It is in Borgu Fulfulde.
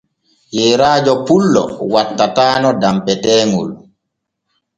Yeerajo pullo wattatano danpeteeŋol.